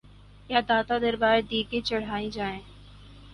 یا داتا دربار دیگیں چڑھائی جائیں؟